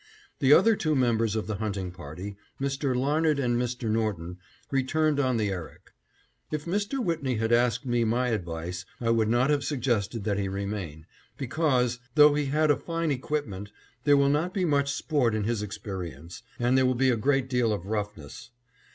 The other two members of the hunting party, Mr. Larned and Mr. Norton, returned on the Erik. If Mr. Whitney had asked me my advice, I would not have suggested that he remain, because, although he has a fine equipment, there will not be much sport in his experience, and there will be a great deal of roughness.